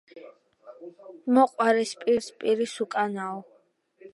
„მოყვარეს პირში უძრახე, მტერს პირს უკანაო”.